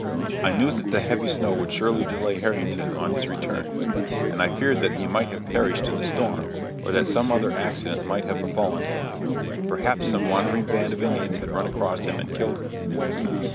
I knew that the heavy snow would surely delay Harrington on his return; and I feared that he might have perished in the storm, or that some other accident might have befallen him. Perhaps some wandering band of Indians had run across him and killed him.